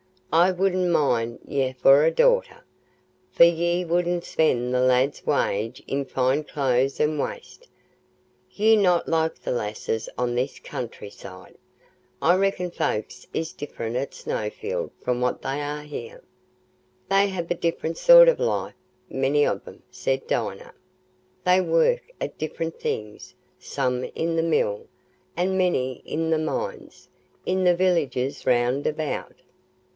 I wouldna mind ha'in ye for a daughter, for ye wouldna spend the lad's wage i' fine clothes an' waste. Ye're not like the lasses o' this countryside. I reckon folks is different at Snowfield from what they are here." "They have a different sort of life, many of 'em," said Dinah; "they work at different things—some in the mill, and many in the mines, in the villages round about.